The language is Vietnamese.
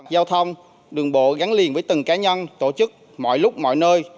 giao thông đường bộ gắn liền với từng cá nhân tổ chức mọi lúc mọi nơi